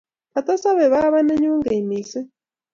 kata sopei baba nenyuu keny mising.